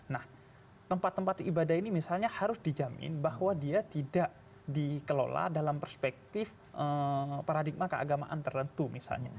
nah tempat tempat ibadah ini misalnya harus dijamin bahwa dia tidak dikelola dalam perspektif paradigma keagamaan tertentu misalnya